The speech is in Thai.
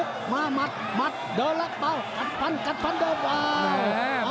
โอ้โหโอ้โหโอ้โหโอ้โหโอ้โหโอ้โหโอ้โห